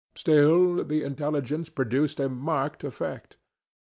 Still, the intelligence produced a marked effect.